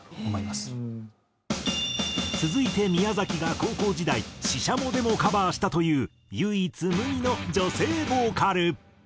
続いて宮崎が高校時代ＳＨＩＳＨＡＭＯでもカバーしたという唯一無二の女性ボーカル。